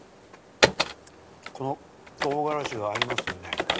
この唐辛子が合いますよね。